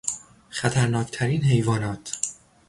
خطرناک ترین حیوانات